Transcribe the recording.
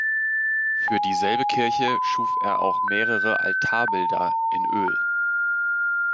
Für dieselbe Kirche schuf er auch mehrere Altarbilder in Öl.